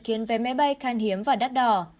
khiến vé máy bay khan hiếm và đắt đỏ